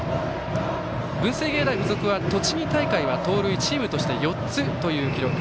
文星芸大付属は栃木大会は盗塁チームとしては４つという記録。